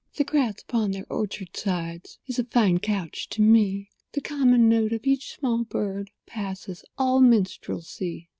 The grass upon their orchard sides Is a fine couch to me; The common note of each small bird Passes all minstrelsy.